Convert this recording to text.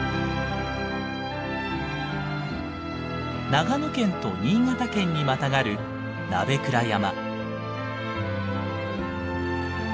長野県と新潟県にまたがる鍋倉山。